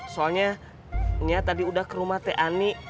soalnya nya tadi udah ke rumah t ani